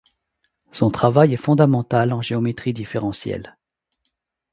Son travail est fondamental en géométrie différentielle.